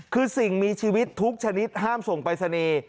คือสิ่งมีชีวิตทุกชนิดห้ามส่งไปสนี